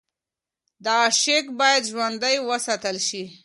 دا عشق باید ژوندی وساتل شي.